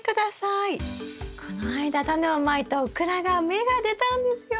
この間タネをまいたオクラが芽が出たんですよ。